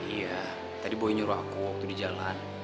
iya tadi boy nyuruh aku waktu di jalan